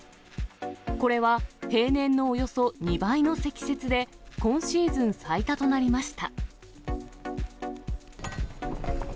これは平年のおよそ２倍の積雪で、今シーズン最多となりました。